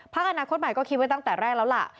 อนาคตใหม่ก็คิดไว้ตั้งแต่แรกแล้วล่ะ